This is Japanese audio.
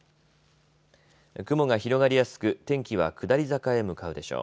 雲が広がりやすく天気は下り坂へ向かうでしょう。